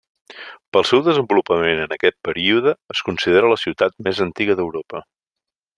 Pel seu desenvolupament en aquest període es considera la ciutat més antiga d'Europa.